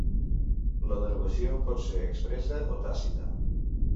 La derogació pot ser expressa o tàcita.